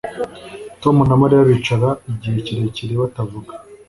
Tom na Mariya bicaye igihe kirekire batavuga